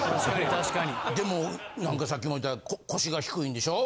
でもなんかさっきも言った腰が低いんでしょ？